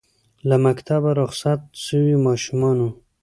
له مکتبه رخصت سویو ماشومانو